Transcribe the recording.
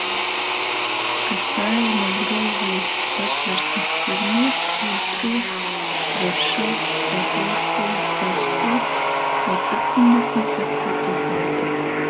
Ka Saeima grūzejuse Satversmis pyrmū, ūtrū, trešū, catūrtū, sastū voi septeņdesmit septeitū pantu,